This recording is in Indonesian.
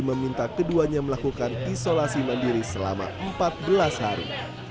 meminta keduanya melakukan isolasi mandiri selama empat belas hari